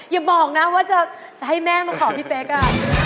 อย่าบอกนะว่าจะให้แม่มาขอพี่เป๊กอ่ะ